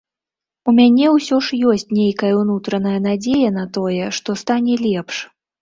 У мяне ўсё ж ёсць нейкая ўнутраная надзея на тое, што стане лепш.